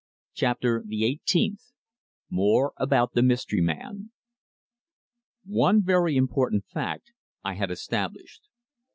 CHAPTER THE EIGHTEENTH MORE ABOUT THE MYSTERY MAN One very important fact I had established.